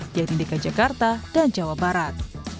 yaitu dki jakarta dan jawa barat